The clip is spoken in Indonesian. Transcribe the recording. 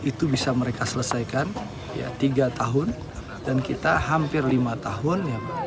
itu bisa mereka selesaikan tiga tahun dan kita hampir lima tahun